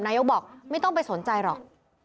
นายกบอกไม่ต้องไปสนใจหรอก